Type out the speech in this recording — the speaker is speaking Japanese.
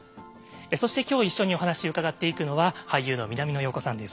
そして今日一緒にお話伺っていくのは俳優の南野陽子さんです。